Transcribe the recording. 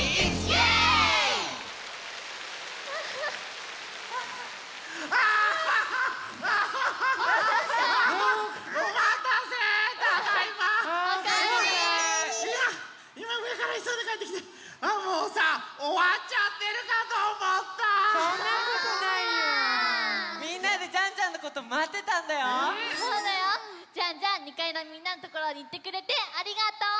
ジャンジャン２かいのみんなのところにいってくれてありがとう！